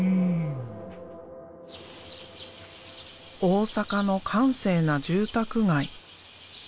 大阪の閑静な住宅街。